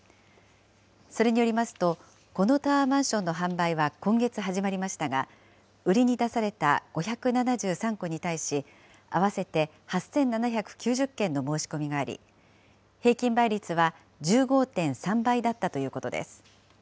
それによりますと、このタワーマンションの販売は今月始まりましたが、売りに出された５７３戸に対し、合わせて８７９０件の申し込みがあり、平均倍率は１５．３倍だったということです。